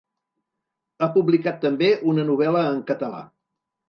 Ha publicat també una novel·la en català.